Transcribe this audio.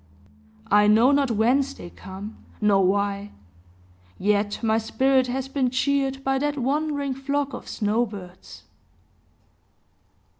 I know not whence they come, nor why; yet my spirit has been cheered by that wandering flock of snow birds.